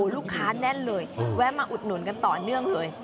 แน่นเลยแวะมาอุดหนุนกันต่อเนื่องเลย